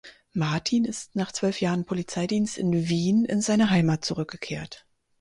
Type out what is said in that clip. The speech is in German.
Martin ist nach zwölf Jahren Polizeidienst in Wien in seine Heimat zurückgekehrt.